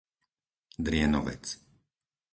Drienovec